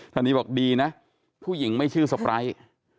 ท่านนี้บอกดีนะผู้หญิงไม่ชื่อสปร้าย